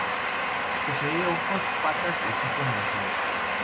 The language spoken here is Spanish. Posee ojos, patas y pico anaranjados.